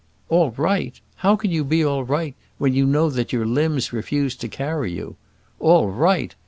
"All right! How can you be all right, when you know that your limbs refuse to carry you? All right!